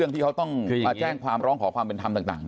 ที่เขาต้องมาแจ้งความร้องขอความเป็นธรรมต่าง